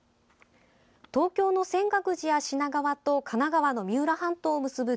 東京の泉岳寺や、品川と神奈川の三浦半島を結ぶ